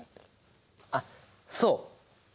あっそう！